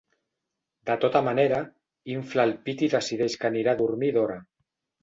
De tota manera, infla el pit i decideix que anirà a dormir d'hora.